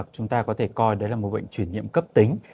chúng ta có thể coi đấy là một bệnh chuyển nhiễm cấp tính